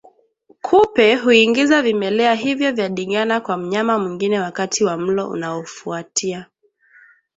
Kupe huingiza vimelea hivyo vya Ndigana kwa mnyama mwingine wakati wa mlo unaofuatia